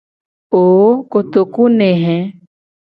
Oooooo kotoku ne hee!